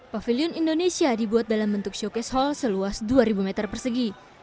pavilion indonesia dibuat dalam bentuk showcase hall seluas dua ribu meter persegi